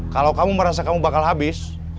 kalau kamu merasa kamu bakal habis